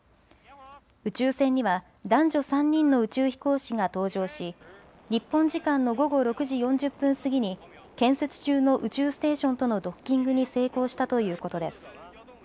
宇宙船には男女３人の宇宙飛行士が搭乗し日本時間の午後６時４０分過ぎに建設中の宇宙ステーションとのドッキングに成功したということです。